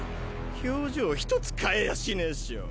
表情ひとつ変えやしねえっショ。